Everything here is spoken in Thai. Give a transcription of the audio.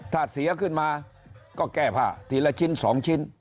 ถ้าเสียขึ้นมาก็แก้ผ้าทีละชิ้น๒ชิ้น